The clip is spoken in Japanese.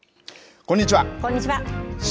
こんにちは。